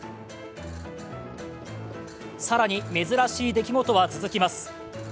更に珍しい出来事は続きます。